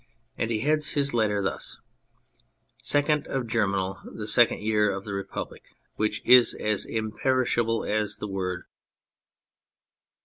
And he heads his letter thus :" Second of Germinal, the second year of the Republic which is as imperishable as the world."